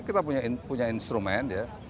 kita punya instrumen ya